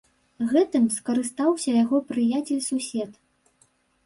Гэтым скарыстаўся яго прыяцель-сусед.